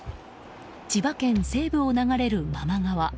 千葉県西部を流れる真間川。